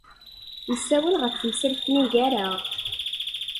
Nessawel ɣef temsalt-nni gar-aɣ.